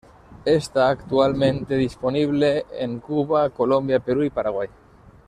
Esta actualmente disponible en Cuba, Colombia, Perú y Paraguay.